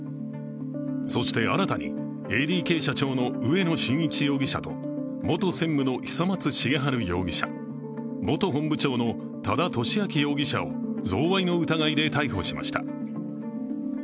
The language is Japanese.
そして新たにＡＤＫ社長の植野伸一容疑者と元専務の久松茂治容疑者、元本部長の多田俊明容疑者を贈賄の疑いで逮捕しました。